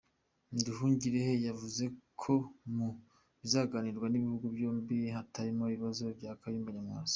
Nduhungirehe yavuze ko mu bizaganirwa n’ibihugu byombi hatarimo ikibazo cya Kayumba Nyamwasa.